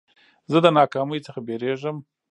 زه د ناکامۍ څخه بېرېږم.